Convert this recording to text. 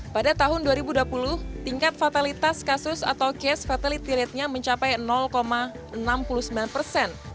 pada tahun dua ribu dua puluh tingkat fatalitas kasus atau case fatality ratenya mencapai enam puluh sembilan persen